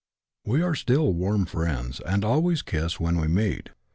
We are still warm friends, and always kiss when we meet.